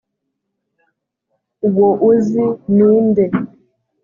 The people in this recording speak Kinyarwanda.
uwo uzi ni nde‽